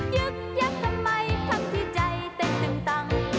ยึกยักษ์ทำไมทั้งที่ใจเต้นตัง